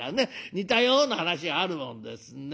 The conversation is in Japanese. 似たような話があるもんですね。